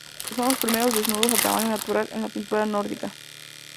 Son los primeros desnudos a tamaño natural en la pintura nórdica.